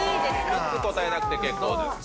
３つ答えなくて結構です。